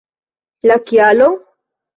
La kialo?